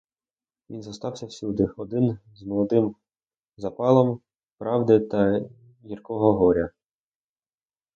Він зостався всюди один з молодим запалом правди та гіркого горя.